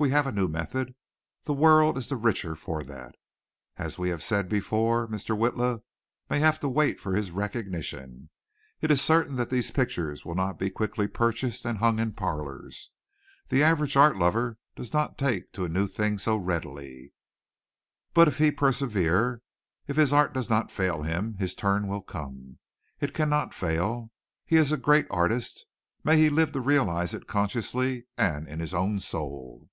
We have a new method. The world is the richer for that. As we have said before, Mr. Witla may have to wait for his recognition. It is certain that these pictures will not be quickly purchased and hung in parlors. The average art lover does not take to a new thing so readily. But if he persevere, if his art does not fail him, his turn will come. It cannot fail. He is a great artist. May he live to realize it consciously and in his own soul."